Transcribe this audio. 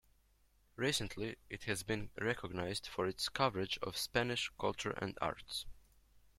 Recently, it has been recognized for its coverage of Spanish culture and arts.